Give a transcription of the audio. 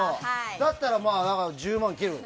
だったら１０万切るんだ。